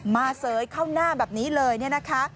เสยเข้าหน้าแบบนี้เลยเนี่ยนะคะ